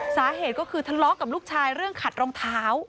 สาเหตุก็คือทะเลาะกับลูกชายเรื่องขัดรองเท้า